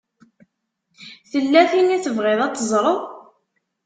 Tella tin i tebɣiḍ ad teẓṛeḍ?